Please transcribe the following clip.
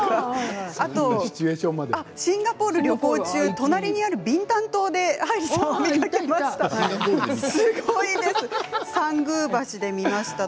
あとシンガポール旅行中隣にあるビンタン島ではいりさんを見ました。